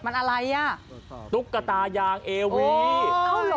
มันอะไรอ่ะตุ๊กกะตายางเอวีอ้าวเหรอ